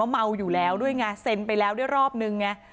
เซ็นไปแล้วรอบนึงไง